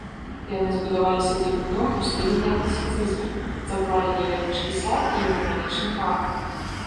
Яна збудавалі сядзібны дом у стылі неакласіцызму, заклалі невялічкі сад і эканамічны парк.